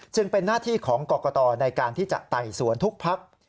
เป็นหน้าที่ของกรกตในการที่จะไต่สวนทุกพัก